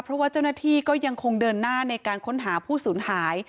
เพราะว่าเจ้าหน้าที่ก็ยังคงเดินหน้าในการค้นหาผู้สูญหาย